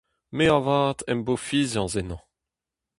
Me avat am bo fiziañs ennañ.